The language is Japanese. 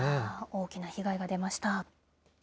大きな被害が出ました。